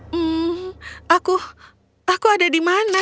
hmm aku ada di mana